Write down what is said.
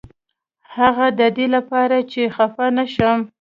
هغه ددې لپاره چې زه خفه نشم.